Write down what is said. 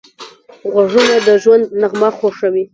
غوږونه د ژوند نغمه خوښوي